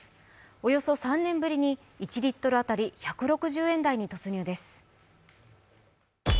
およそ３年ぶりに１リットル当たり１６０円台に突入です。